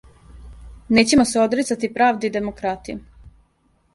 Нећемо се одрицати правде и демократије.